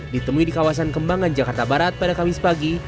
ditemui di kawasan kembangan jakarta barat pada kamis pagi